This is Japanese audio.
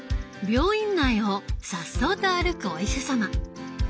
病院内をさっそうと歩くお医者様。